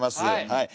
はい。